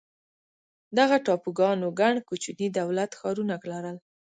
دغه ټاپوګانو ګڼ کوچني دولت ښارونه لرل.